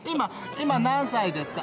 今何歳ですか？